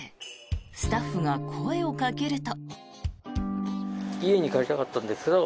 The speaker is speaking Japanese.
スタッフが声をかけると。